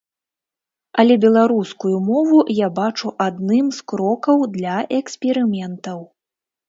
Але беларускую мову я бачу адным з крокаў для эксперыментаў.